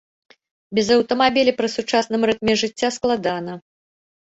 Без аўтамабіля пры сучасным рытме жыцця складана.